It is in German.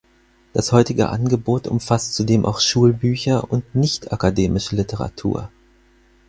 Das heutige Angebot umfasst zudem auch Schulbücher und nicht-akademische Literatur.